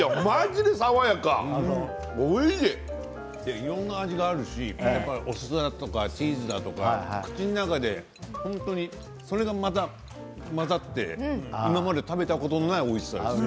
いろんな味があるしお酢とかチーズとか口の中で本当にそれがまた混ざって今まで食べたことのないおいしさです。